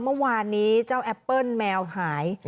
เมื่อวานนี้เจ้าแอปเปิ้ลแมวหาย